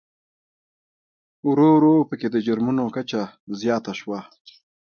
ورو ورو په کې د جرمومو کچه زیاته شوه.